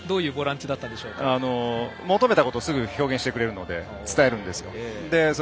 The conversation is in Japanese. どういう求めたことをすぐ表現してくれるので伝えるんですよ。